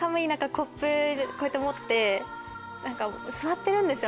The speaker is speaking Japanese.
コップこう持って座ってるんですよ